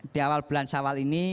di awal bulan syawal ini